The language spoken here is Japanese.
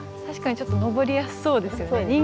確かにちょっと登りやすそうですよね。